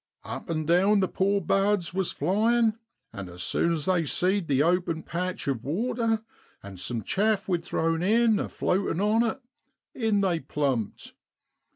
Up an' down the poor bards was flyin', and as soon as they seed the open patch of water, an' sum chaff we'd thrown in, a flotin' on it, in they plumped.